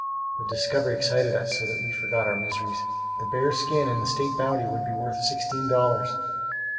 The discovery excited us so that we forgot our miseries. The bear's skin and the state bounty would be worth sixteen dollars.